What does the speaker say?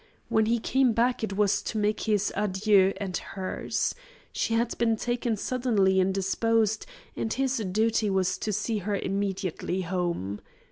When he came back it was to make his adieu and hers. She had been taken suddenly indisposed and his duty was to see her immediately home.